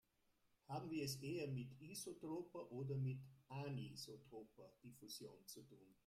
Haben wir es eher mit isotroper oder mit anisotroper Diffusion zu tun?